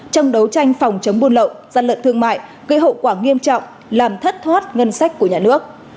trong đấu tranh phòng chống buôn lậu gian lận thương mại gây hậu quả nghiêm trọng làm thất thoát ngân sách của nhà nước